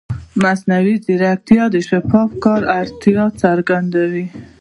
مصنوعي ځیرکتیا د شفاف کار اړتیا څرګندوي.